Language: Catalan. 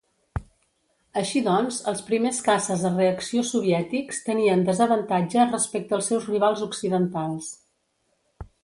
Així doncs els primers caces a reacció soviètics tenien desavantatge respecte als seus rivals occidentals.